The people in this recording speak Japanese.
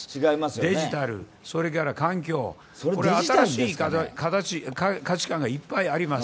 デジタル、環境、新しい価値観がいっぱいあります。